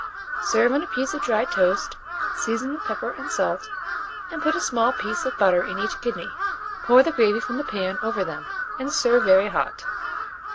Serve on a piece of dry toast, season with pepper and salt, and put a small piece of butter in each kidney; pour the gravy from the pan over them, and serve very hot.